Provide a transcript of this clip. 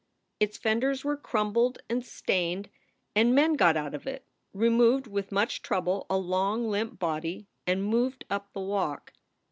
Its fenders were crumpled and stained, and men got out of it, removed with much trouble a long limp body, and moved up the walk.